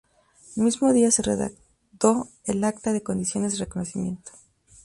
El mismo día se redactó el acta de condiciones de reconocimiento.